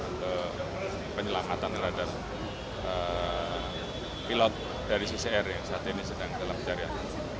untuk penyelamatan pelot dari susi air yang saat ini sedang dalam pencarian